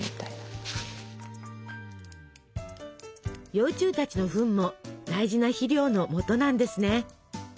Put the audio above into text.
幼虫たちのフンも大事な肥料のもとなんですね。